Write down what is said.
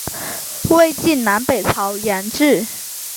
魏晋南北朝沿置。